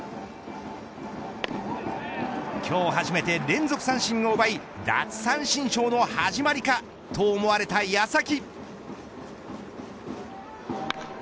今日初めて連続三振を奪い奪三振ショーの始まりかと思われた矢先。